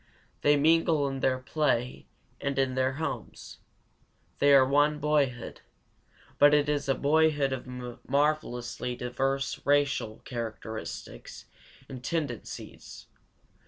They mingle in their play and in their homes. They are one boyhood. But it is a boyhood of marvelously diverse racial characteristics and tendencies.